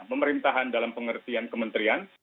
pemerintahan dalam pengertian kementerian